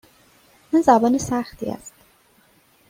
آن زبان سختی است.